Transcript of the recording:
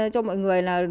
cho mọi người là